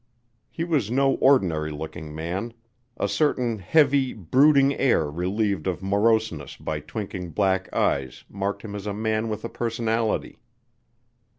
He was no ordinary looking man a certain heavy, brooding air relieved of moroseness by twinkling black eyes marked him as a man with a personality.